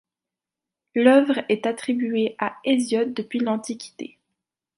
L'œuvre est attribuée à Hésiode depuis l'Antiquité.